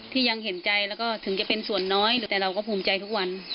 ที่ยังเห็นใจแล้วก็ถึงจะเป็นส่วนน้อยหรือแต่เราก็ภูมิใจทุกวัน